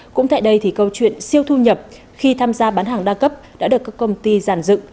cũng tại đây thì câu chuyện siêu thu nhập khi tham gia bán hàng đa cấp đã được các công ty giàn dựng